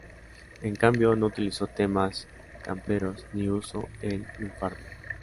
En cambio, no utilizó temas camperos ni usó el lunfardo.